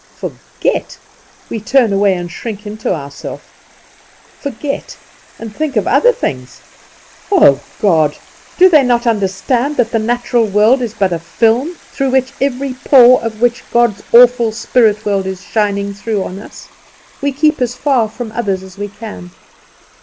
Forget! We turn away and shrink into ourself. Forget, and think of other things! Oh, God! do they not understand that the material world is but a film, through every pore of which God's awful spirit world is shining through on us? We keep as far from others as we can.